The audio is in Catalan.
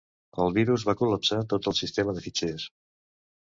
El virus va col·lapsar tot el sistema de fitxers.